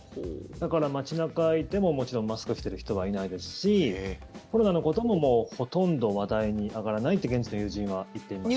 だから街中いてももちろんマスクしている人はいないですしコロナのことも、もうほとんど話題に上がらないって現地の友人は言っていました。